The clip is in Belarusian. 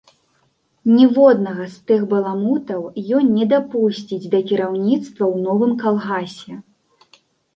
Ніводнага з тых баламутаў ён не дапусціць да кіраўніцтва ў новым калгасе.